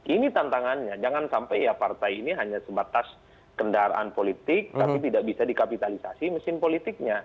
ini tantangannya jangan sampai ya partai ini hanya sebatas kendaraan politik tapi tidak bisa dikapitalisasi mesin politiknya